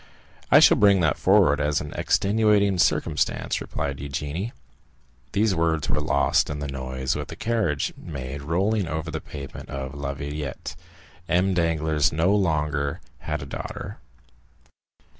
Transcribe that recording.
"I shall bring that forward as an extenuating circumstance," replied Eugénie. These words were lost in the noise which the carriage made in rolling over the pavement of La Villette. M. Danglars no longer had a daughter.